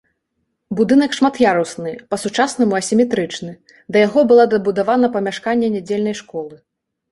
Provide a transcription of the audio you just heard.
Будынак шмат'ярусны, па-сучаснаму асіметрычны, да яго было дабудавана памяшканне нядзельнай школы.